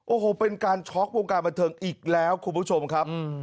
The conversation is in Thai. โอ้โหเป็นการช็อกวงการบันเทิงอีกแล้วคุณผู้ชมครับ